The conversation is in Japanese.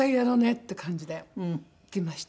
って感じで行きましたね。